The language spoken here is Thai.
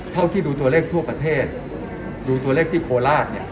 เท่าที่ดูตัวเลขทั่วประเทศดูตัวเลขที่โคราชเนี่ย